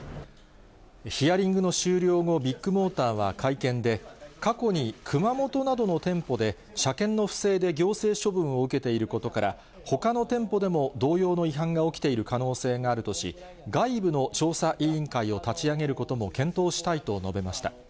ヒアリングの終了後、ビッグモーターは会見で、過去に熊本などの店舗で車検の不正で行政処分を受けていることから、ほかの店舗でも同様の違反が起きている可能性があるとし、外部の調査委員会を立ち上げることも検討したいと述べました。